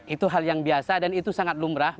itu hal yang biasa dan itu sangat lumrah